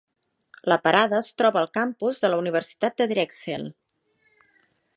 La parada es troba al campus de la Universitat de Drexel.